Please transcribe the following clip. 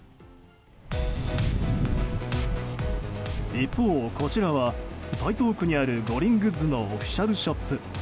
一方、こちらは台東区にある五輪グッズのオフィシャルショップ。